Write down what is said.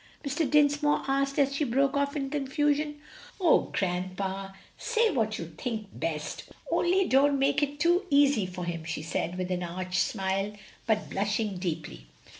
Mr. Dinsmore asked as she broke off in confusion. "Oh, grandpa, say what you think best! only don't make it too easy for him," she said, with an arch smile, but blushing deeply.